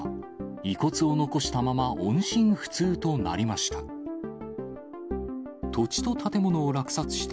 遺骨を残したまま、音信不通となりました。